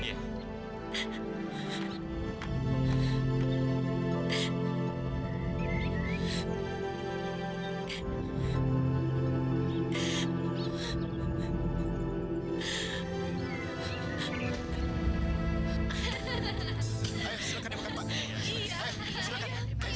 silakan dimakan pak